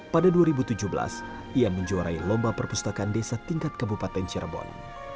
pada dua ribu tujuh belas ia menjuarai lomba perpustakaan desa tingkat kabupaten cirebon